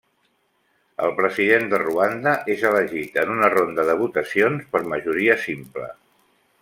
El President de Ruanda és elegit en una ronda de votacions per majoria simple.